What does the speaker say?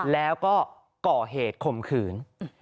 แล้วก็ก่อเหตุข่มขืน